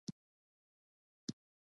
نورو ته خیر رسول څه ګټه لري؟